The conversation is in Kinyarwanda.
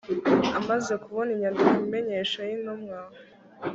amaze kubona inyandiko imenyesha y intumwa